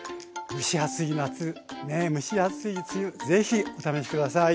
蒸し暑い夏ね蒸し暑い梅雨是非お試し下さい。